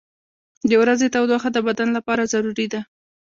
• د ورځې تودوخه د بدن لپاره ضروري ده.